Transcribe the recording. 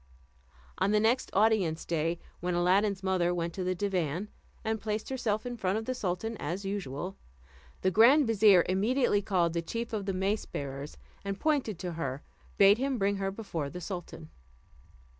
On the next audience day, when Aladdin's mother went to the divan, and placed herself in front of the sultan as usual, the grand vizier immediately called the chief of the mace bearers, and pointing to her bade him bring her before the sultan.